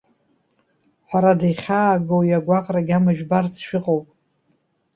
Ҳәарада, ихьаагоу уи агәаҟра агьама жәбарц шәыҟоуп.